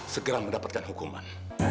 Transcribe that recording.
segera mendapatkan hukuman